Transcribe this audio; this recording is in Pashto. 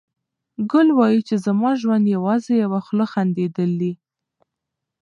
ګل وايي چې زما ژوند یوازې یوه خوله خندېدل دي.